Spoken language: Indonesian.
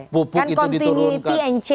pupuk itu diturunkan